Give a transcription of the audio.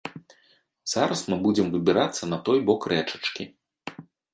Зараз мы будзем выбірацца на той бок рэчачкі.